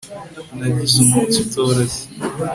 Nagize umunsi utoroshye